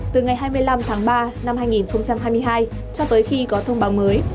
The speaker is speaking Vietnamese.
từ ngày hai mươi năm tháng ba năm hai nghìn hai mươi hai cho tới khi có thông báo mới